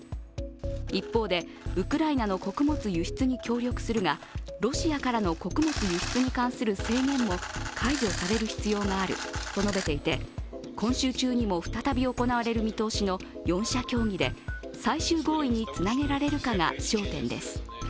一方で、ウクライナの穀物輸出に協力するが、ロシアからの穀物輸出に関する制限も解除される必要があると述べていて、今週中にも再び行われる見通しの４者協議で最終合意につなげられるかが焦点です。